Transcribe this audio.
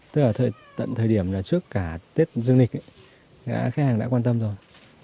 tức là tận thời điểm là trước cả tết dương lịch khách hàng đã quan tâm rồi